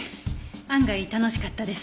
案外楽しかったです。